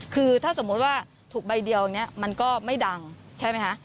คือถ้าสมมุติว่าถูกใบเดียวเนี่ยมันก็ไม่ดังใช่ไหมคะ